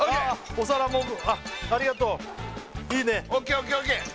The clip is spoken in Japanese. お皿もありがとういいねありがとうＯＫＯＫＯＫ